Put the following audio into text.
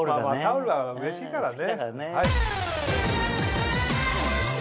タオルはうれしいからね。